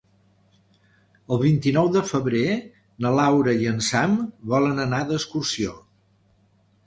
El vint-i-nou de febrer na Laura i en Sam volen anar d'excursió.